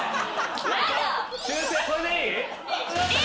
修整これでいい？